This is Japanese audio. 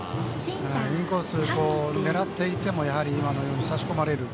インコースを狙っていても差し込まれる。